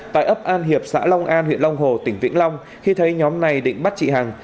tại ấp an hiệp xã long an huyện long hồ tỉnh vĩnh long khi thấy nhóm này định bắt chị hằng